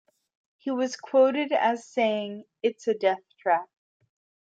He was quoted as saying, "It's a death trap".